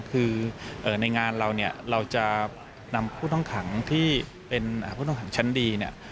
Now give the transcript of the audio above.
คือในงานเราเนี่ยเราจะนำผู้ต้องขังที่เป็นผู้ต้องขังชั้นดีเนี่ย